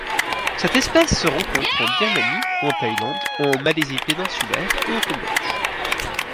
Cette espèce se rencontre en Birmanie, en Thaïlande, en Malaisie péninsulaire et au Cambodge.